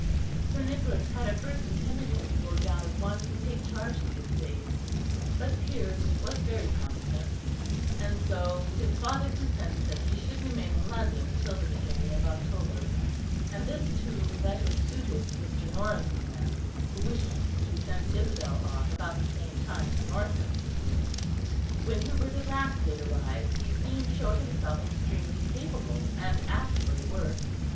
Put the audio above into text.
Sir Nicholas had at first intended him to go down at once and take charge of the estate; but Piers was very competent, and so his father consented that he should remain in London until the beginning of October; and this too better suited Mr. Norris' plans who wished to send Isabel off about the same time to Northampton. When Hubert at last did arrive, he soon showed himself extremely capable and apt for the work.